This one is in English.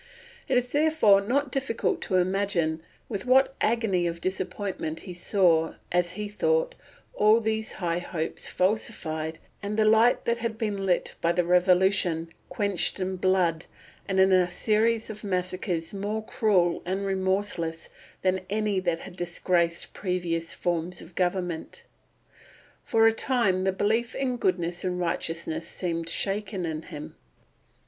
It is therefore not difficult to imagine with what agony of disappointment he saw, as he thought, all these high hopes falsified, and the light that had been lit by the Revolution quenched in blood and in a series of massacres more cruel and remorseless than any that had disgraced previous forms of government. For a time the belief in goodness and righteousness seemed shaken in him.